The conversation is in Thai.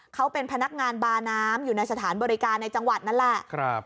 เขาเป็นพนักงานบาน้ำอยู่ในสถานบริการในจังหวัดนั่นแหละ